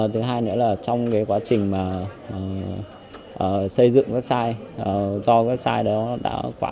thứ hai nữa là trong quá trình xây dựng website do website đó đã quá cũ